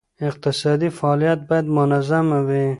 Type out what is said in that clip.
اقتصادي فعالیت باید منظمه وي.